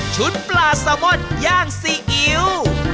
๓ชุดปลาสาวม่อนย่างซีอิ๊ว